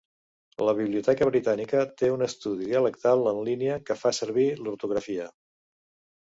La Biblioteca Britànica té un estudi dialectal en línia que fa servir l'ortografia.